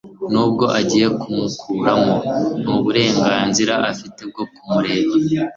nubwo agiye kumukuramo ntaburenganzira afite bwo kumureba